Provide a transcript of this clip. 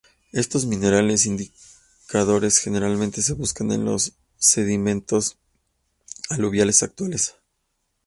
Estos minerales indicadores generalmente se busca en los sedimentos aluviales actuales.